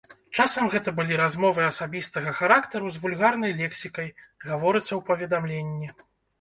Часам гэта былі размовы асабістага характару з вульгарнай лексікай, гаворыцца ў паведамленні.